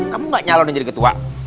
kamu gak nyala udah jadi ketua